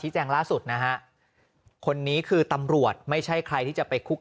แจ้งล่าสุดนะฮะคนนี้คือตำรวจไม่ใช่ใครที่จะไปคุก